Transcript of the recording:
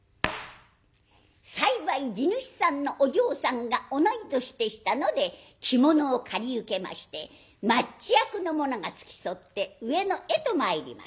幸い地主さんのお嬢さんが同い年でしたので着物を借り受けまして町役の者が付き添って上野へと参ります。